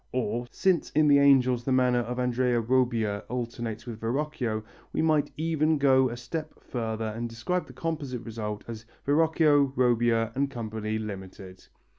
or (since in the angels the manner of Andrea Robbia alternates with Verrocchio) we might even go a step further and describe the composite result as "Verrocchio, Robbia and Co., Ltd."